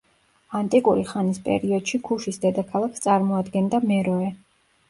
ანტიკური ხანის პერიოდში ქუშის დედაქალაქს წარმოადგენდა მეროე.